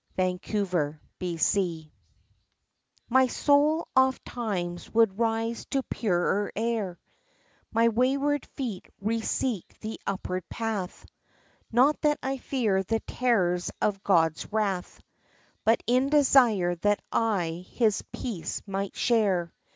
vn DELILAH MY soul ofttimes would rise to purer air; My wayward feet reseek the upward path; Not that I fear the terrors of God's wrath But in desire that I His peace might share.